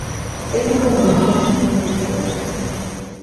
Es miembro del Movimiento Nacional para el Desarrollo de la Sociedad.